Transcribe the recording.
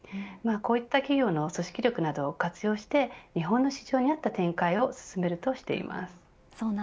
こういった企業の組織力などを活用して日本の市場に合った展開を進めるとしています。